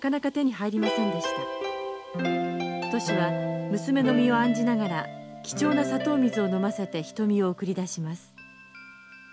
トシは娘の身を案じながら貴重な砂糖水を飲ませて牟を送り出します。